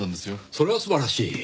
それは素晴らしい。